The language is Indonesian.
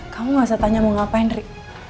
kamu gak usah tanya mau ngapain